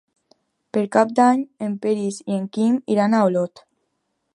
Per Cap d'Any en Peris i en Quim iran a Olot.